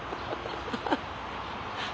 ハハハハハ！